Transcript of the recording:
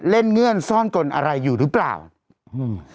เงื่อนซ่อนกลอะไรอยู่หรือเปล่าอืม